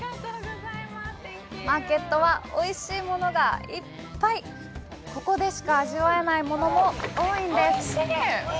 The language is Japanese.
マーケットはおいしいものがいっぱいここでしか味わえないものも多いんです